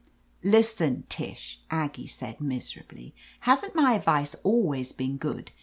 "Listen, Tish," Aggie said miserably. "Hasn't my advice always been good